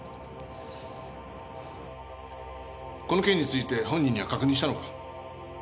この件について本人には確認したのか？